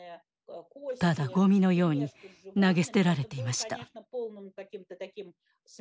ただゴミのように投げ捨てられていました。